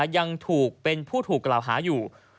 ยังถูกเป็นผู้ถูกกล่าวหาอยู่